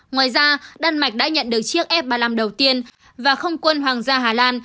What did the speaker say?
ngoài ra đan mạch đã nhận được chiếc f ba mươi năm đầu tiên và không quân hoàng gia hà lan